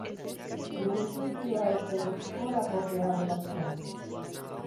Nire intentzioa ez zen kola-potea botatzea.